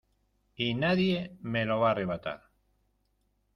Y nadie me lo va a arrebatar.